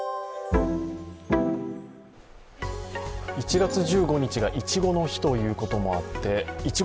１月１５日がいちごの日ということもあっていちご